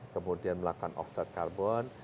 kemudian melakukan offset carbon